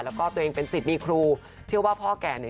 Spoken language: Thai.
แล้วก็ตัวเองเป็นสิทธิ์มีครูเชื่อว่าพ่อแก่เนี่ย